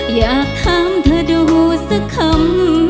อยากถามเธอดูสักคำ